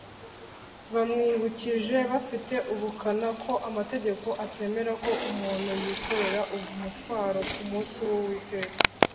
. Bamwibukije bafite ubukana ko amategeko atemera ko umuntu yikorera umutwaro ku munsi w’Uwiteka